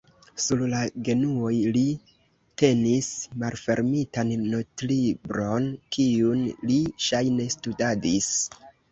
Sur la genuoj li tenis malfermitan notlibron, kiun li ŝajne studadis.